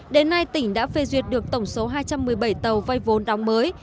đến nay tỉnh đã phê duyệt được tổng số hai trăm một mươi bảy tàu vay vốn đóng mới